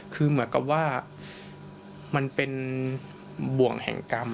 คือเหมือนกับว่ามันเป็นบ่วงแห่งกรรม